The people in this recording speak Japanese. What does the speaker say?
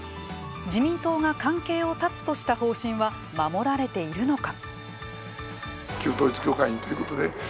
自民党が関係を断つとした方針は守られているのか。